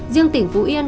riêng tỉnh phú yên